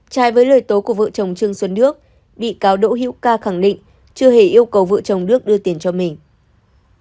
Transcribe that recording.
trái với lời tố của vợ chồng trương xuân đức bị cáo đỗ hiễu ca khẳng định chưa hề yêu cầu vợ chồng đức đưa tiền cho mình